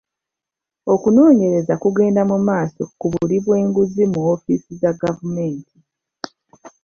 Okunoonyereza kugenda mu maaso ku buli bw'enguzi mu woofiisi za gavumenti.